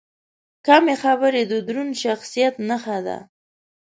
کمې خبرې، د دروند شخصیت نښه ده.